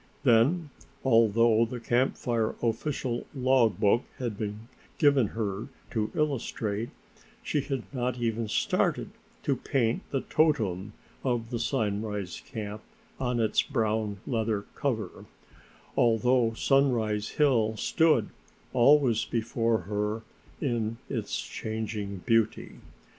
Then, although the Camp Fire official log book had been given her to illustrate she had not even started to paint the totem of the Sunrise Camp on its brown leather cover, although Sunrise Hill stood, always before her in its changing beauty.